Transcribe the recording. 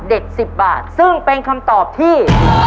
เด็กสิบบาทซึ่งเป็นคำตอบที่